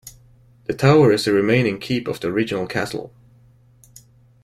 The tower is the remaining keep of the original castle.